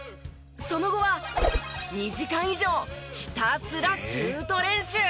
その後は２時間以上ひたすらシュート練習。